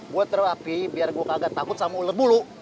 gue terapi biar gue kaget takut sama ular bulu